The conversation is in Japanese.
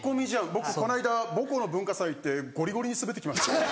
僕この間母校の文化祭行ってゴリゴリにスベって来ました。